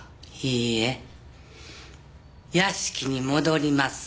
いいえ屋敷に戻ります。